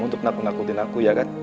untuk ngaku ngakuin aku ya kan